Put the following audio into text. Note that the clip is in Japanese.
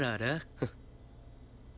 フッ。